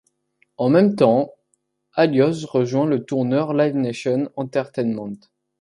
En même temps, Aliose rejoint le tourneur Live Nation Entertainment.